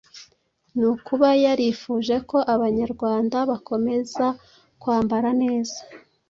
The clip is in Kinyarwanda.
ni ukuba yarifuje ko abanyarwanda bakomeza kwambara neza